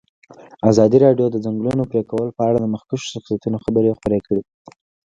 ازادي راډیو د د ځنګلونو پرېکول په اړه د مخکښو شخصیتونو خبرې خپرې کړي.